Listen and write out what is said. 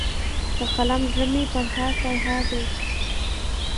د قلم زړه مي پرهار پرهار دی